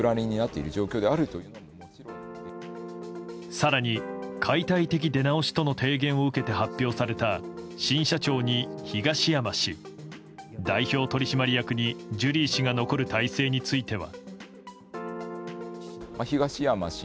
更に、解体的出直しとの提言を受けて発表された新社長に東山氏代表取締役にジュリー氏が残る体制については。